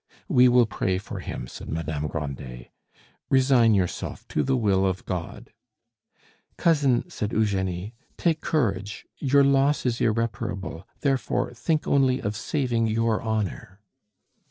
"We will pray for him," said Madame Grandet. "Resign yourself to the will of God." "Cousin," said Eugenie, "take courage! Your loss is irreparable; therefore think only of saving your honor."